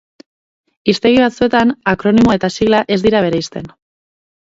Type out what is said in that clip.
Hiztegi batzuetan, akronimoa eta sigla ez dira bereizten.